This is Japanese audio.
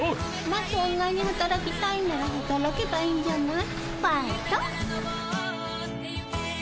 まそんなに働きたいなら働けばいいんじゃないファーイト！